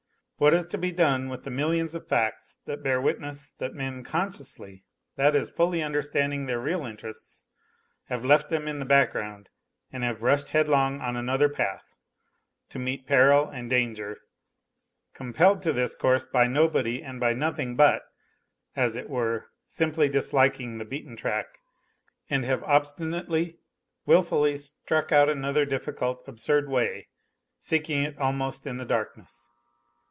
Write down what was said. What is to be done with the millions of facts that bear witness that men, consciously, that is fully understanding their real interests, have left them in the background and have rushed headlong on another path, to meet peril and danger, compelled to this course by nobody and by nothing, but, as it were, simply disliking the beaten track, and have obstinately, wilfully, struck out another difficult, absurd way, seeking it almost in the darkness.